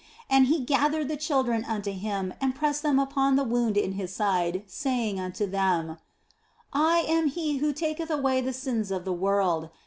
And He gathered the children unto Him and pressed them upon the wound in His side, saying unto them "I am He who taketh away the sins of the world.